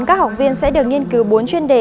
các học viên sẽ được nghiên cứu bốn chuyên đề